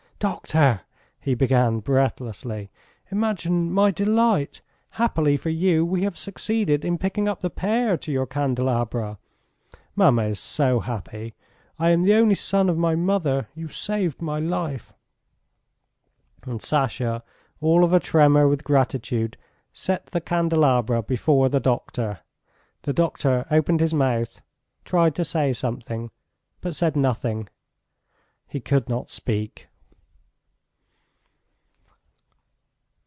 "Doctor!" he began breathlessly, "imagine my delight! Happily for you we have succeeded in picking up the pair to your candelabra! Mamma is so happy. ... I am the only son of my mother, you saved my life. ..." And Sasha, all of a tremor with gratitude, set the candelabra before the doctor. The doctor opened his mouth, tried to say something, but said nothing: he could not speak.